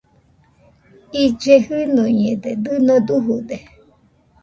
Ille jɨnuiñede, dɨno dujude